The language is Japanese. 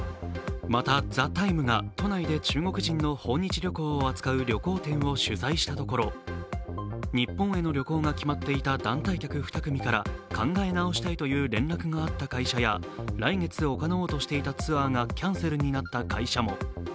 また、「ＴＨＥＴＩＭＥ，」が都内で中国人の訪日旅行を扱う旅行店を取材したところ、日本への旅行が決まっていた団体客２組から考え直したいという連絡があった会社や来月行おうとしていたツアーがキャンセルになった会社も。